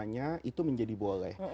semuanya itu menjadi boleh